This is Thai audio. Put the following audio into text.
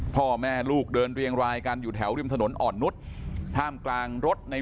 พ่อแม่ลูกเดินเรียงรายกันอยู่แถวริมถนนอ่อนนุษย์ท่ามกลางรถใน